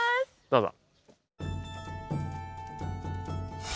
どうぞ。